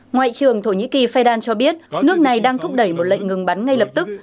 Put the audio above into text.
ngoại trưởng thổ nhĩ kỳ fidan cho biết nước này đang thúc đẩy một lệnh ngừng bắn ngay lập tức